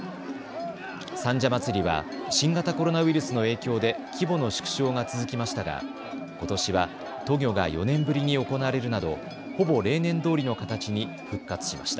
三社祭は新型コロナウイルスの影響で規模の縮小が続きましたがことしは渡御が４年ぶりに行われるなどほぼ例年どおりの形に復活しました。